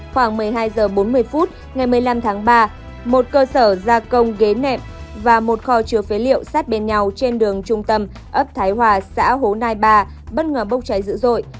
khoảng một mươi hai h bốn mươi phút ngày một mươi năm tháng ba một cơ sở gia công ghế nệm và một kho chứa phế liệu sát bên nhau trên đường trung tâm ấp thái hòa xã hồ nai ba bất ngờ bốc cháy dữ dội